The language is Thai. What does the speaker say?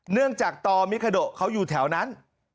เนื่องจากตอมิคาโดเขาอยู่แถวนั้น